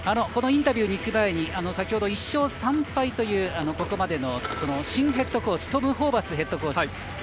このインタビューにいく前に先ほど１勝３敗というここまでの新ヘッドコーチトム・ホーバスヘッドコーチ。